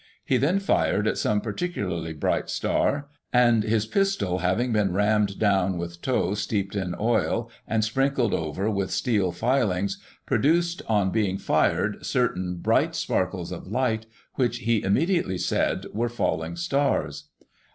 He then fired at some particularly bright star ; and, his pistol having been rammed down with tow steeped in oil, and sprinkled over with steel filings, produced, on being fired, certain bright sparkles of light, which he immediately said were falling stars.